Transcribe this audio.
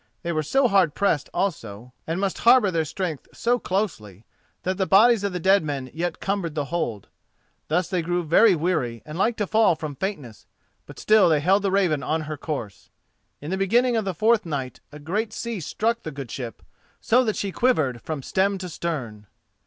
They were so hard pressed also, and must harbour their strength so closely, that the bodies of the dead men yet cumbered the hold. Thus they grew very weary and like to fall from faintness, but still they held the Raven on her course. In the beginning of the fourth night a great sea struck the good ship so that she quivered from stem to stern.